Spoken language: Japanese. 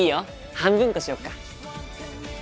半分こしよっか。